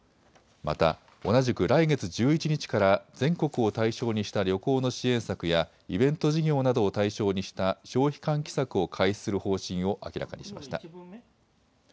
また同じく来月１１日から全国を対象にした旅行の支援策やイベント事業などを対象にした消費喚起策を開始する方針を明らかにしました。